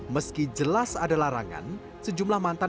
meski jelas ada larangan sejumlah mantan